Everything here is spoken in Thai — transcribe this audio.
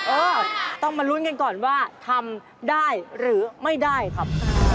เออต้องมาลุ้นกันก่อนว่าทำได้หรือไม่ได้ครับ